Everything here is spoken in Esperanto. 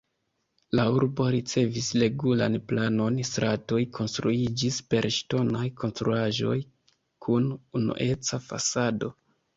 La urbo ricevis regulan planon, stratoj konstruiĝis per ŝtonaj konstruaĵoj kun unueca fasado.